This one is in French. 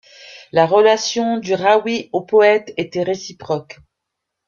La relation du râwî au poète était réciproque.